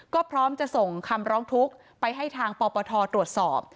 ก็พร้อมจะส่งคำร้องทุกข์ไปให้ทางปปทตรวจสอบ